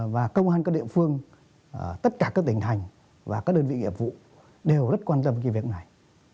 và công an các địa phương tất cả các tỉnh thành và các đơn vị nghiệp vụ đều rất quan tâm cái việc này